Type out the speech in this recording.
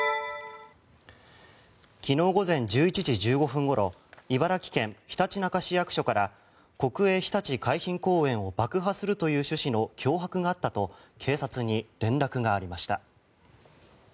昨日午前１１時１５分ごろ茨城県ひたちなか市役所から国営ひたち海浜公園を爆破するという趣旨の脅迫があったと警察に連絡がありました。